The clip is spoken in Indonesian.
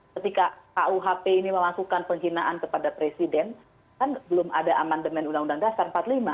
ketika kuhp ini melakukan penghinaan kepada presiden kan belum ada amandemen undang undang dasar empat puluh lima